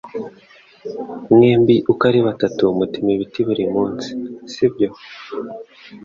Mwembi uko ari batatu mutema ibiti buri munsi, sibyo?